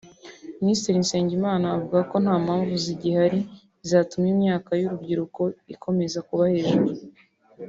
Minisitiri Nsengimana avuga ko nta mpamvu zigihari zatuma imyaka y’urubyiruko ikomeza kuba hejuru